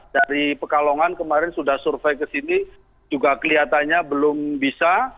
dari pekalongan kemarin sudah survei ke sini juga kelihatannya belum bisa